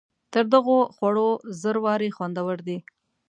تر دغو خوړو زر وارې خوندور دی.